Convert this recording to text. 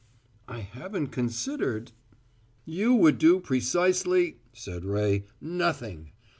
"I haven't considered " "You would do precisely," said Ray, "nothing!